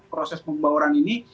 proses pembawaan ini